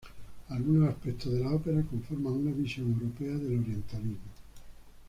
Algunos aspectos de la ópera conforman una visión europea del orientalismo.